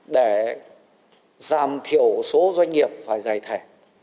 để giảm thiểu số doanh nghiệp phải giải thẻ